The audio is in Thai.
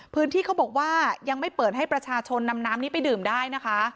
เขาบอกว่ายังไม่เปิดให้ประชาชนนำน้ำนี้ไปดื่มได้นะคะ